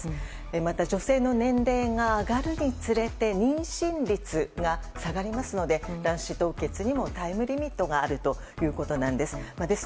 また、女性の年齢が上がるにつれて妊娠率が下がりますので卵子凍結にもタイムリミットがあるということです。